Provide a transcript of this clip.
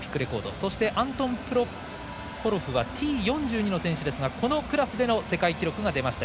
そして、アントン・プロホロフはＴ４２の選手ですがこのクラスでの世界記録が出ました。